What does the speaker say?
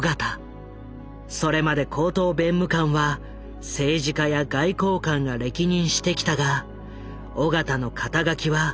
それまで高等弁務官は政治家や外交官が歴任してきたが緒方の肩書は大学教授。